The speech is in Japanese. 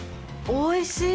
おいしい。